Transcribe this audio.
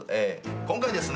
今回ですね